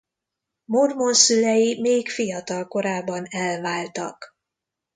Mormon szülei még fiatalkorában elváltak.